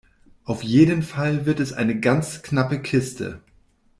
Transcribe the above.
Auf jeden Fall wird es eine ganz knappe Kiste.